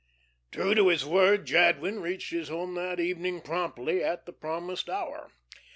True to his word, Jadwin reached his home that evening promptly at the promised hour.